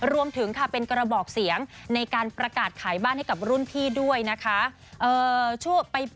รวมถึงค่ะเป็นกระบอกเสียงในการประกาศขายบ้านให้กับรุ่นพี่ด้วยนะคะ